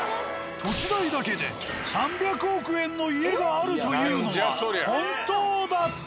土地代だけで３００億円の家があるというのは本当だった。